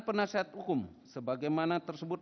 penasihat hukum sebagaimana tersebut